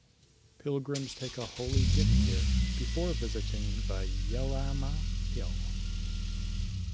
Pilgrims take a holy dip here before visiting the Yellamma Hill.